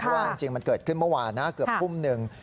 ว่าจริงมันเกิดขึ้นเมื่อวานนะเกือบทุ่มหนึ่ง